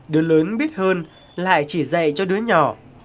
đứa lớn biết hơn lại chỉ dạy cho đứa nhỏ